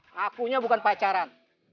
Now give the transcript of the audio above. ngakunya bukan pacaran